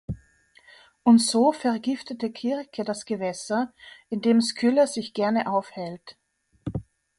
Und so vergiftet Kirke das Gewässer, in dem Skylla sich gerne aufhält.